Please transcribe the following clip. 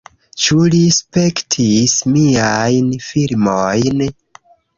Ĉu li spektis miajn filmojn?